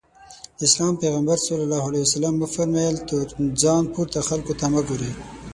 د اسلام پيغمبر ص وفرمايل تر ځان پورته خلکو ته مه ګورئ.